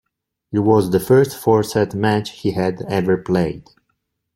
It was the first four-set match he had ever played.